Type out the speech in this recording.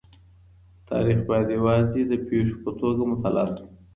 تاریخ باید یوازې د پېښو په توګه مطالعه سي.